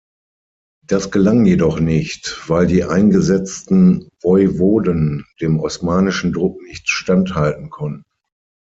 Das gelang jedoch nicht, weil die eingesetzten Woiwoden dem osmanischen Druck nicht standhalten konnten.